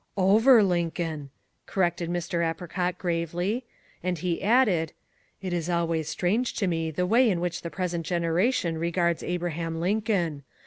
"OVER Lincoln," corrected Mr. Apricot gravely. And he added, "It is always strange to me the way in which the present generation regards Abraham Lincoln.